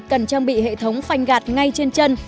cần trang bị hệ thống phanh gạt ngay trên chân